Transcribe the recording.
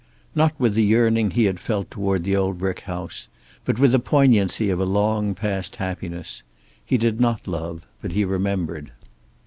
Not with the yearning he had felt toward the old brick house, but with the poignancy of a long past happiness. He did not love, but he remembered.